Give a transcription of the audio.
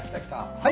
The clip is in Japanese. はい。